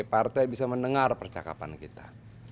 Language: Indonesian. partai bisa mendengar percakapan kita